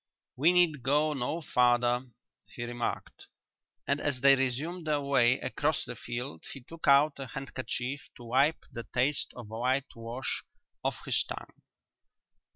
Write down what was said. "We need go no farther," he remarked, and as they resumed their way across the field he took out a handkerchief to wipe the taste of whitewash off his tongue.